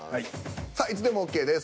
さあいつでもＯＫです。